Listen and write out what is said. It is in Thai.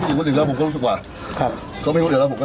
ไม่มีใครครับผมรู้สึกว่าผมเป็นคนอื่นผมก็รู้สึกว่า